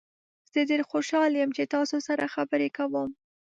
زه ډیر خوشحال یم چې تاسو سره خبرې کوم.